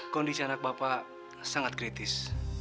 kondisi anak bapak sangat kritis